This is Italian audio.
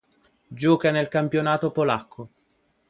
Gioca nel campionato polacco.